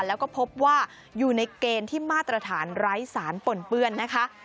แล้วก็พบว่าอยู่ในเกณฑ์ที่มาตรฐานไร้สารปนเปื้อนนะคะ